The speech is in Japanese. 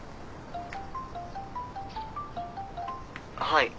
はい。